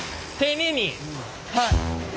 はい。